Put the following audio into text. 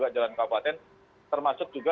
jalan kabupaten termasuk juga